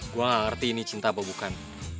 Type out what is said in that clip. gue gak ngerti ini cinta apa bukan